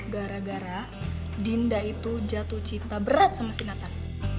gara gara dinda itu jatuh cinta berat sama sinatak